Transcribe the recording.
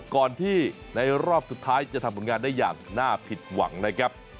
ก่อนที่ในรอบสุดท้ายจะทำผลงานได้อย่างน่าผิดหวังนะครับ